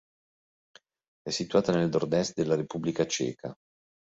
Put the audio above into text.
È situata nel nord-est della Repubblica Ceca.